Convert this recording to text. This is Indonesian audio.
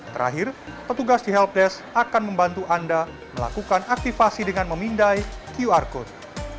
terakhir petugas di helpdesk akan membantu anda melakukan aktifasi dengan memindai qr code